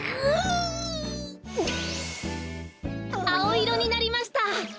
あおいろになりました。